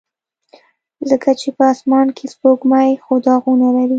ځکه چې په اسمان کې سپوږمۍ خو داغونه لري.